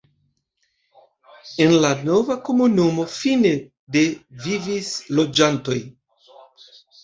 En la nova komunumo fine de vivis loĝantoj.